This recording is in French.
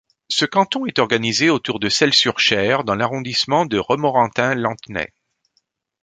Ce canton est organisé autour de Selles-sur-Cher dans l'arrondissement de Romorantin-Lanthenay.